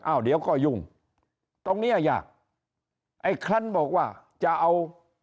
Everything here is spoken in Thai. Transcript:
อ้าวเดี๋ยวก็ยุ่งตรงเนี้ยยากไอ้คลั้นบอกว่าจะเอา